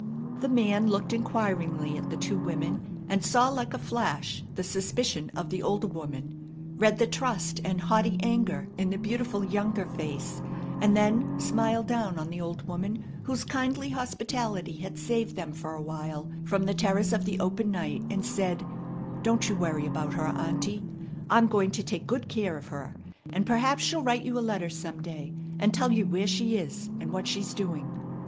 The man looked inquiringly at the two women, and saw like a flash the suspicion of the older woman, read the trust and haughty anger in the beautiful younger face, and then smiled down on the old woman whose kindly hospitality had saved them for a while from the terrors of the open night, and said: "Don't you worry about her, auntie. I'm going to take good care of her, and perhaps she'll write you a letter some day, and tell you where she is and what she's doing."